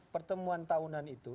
pertemuan tahunan itu